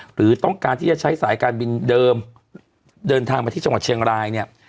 หรือต้องการที่จะใช้สายการบินเดิมเดินทางมาที่จังหวัดเชียงรายเนี่ย